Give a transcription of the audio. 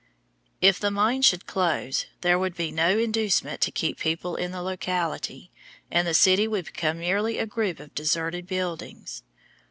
If the mine should close, there would be no inducement to keep people in the locality, and the city would become merely a group of deserted buildings.